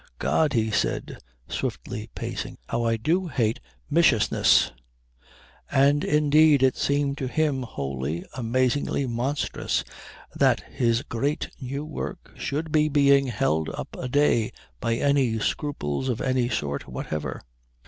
"God," he said, swiftly pacing, "how I do hate miss ishness!" And indeed it seemed to him wholly, amazingly monstrous that his great new work should be being held up a day by any scruples of any sort whatever.